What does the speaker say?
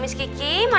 menurut papa iya aja